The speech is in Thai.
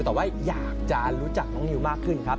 แต่ว่าอยากจะรู้จักน้องนิวมากขึ้นครับ